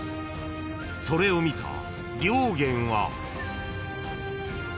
［それを見た良源は］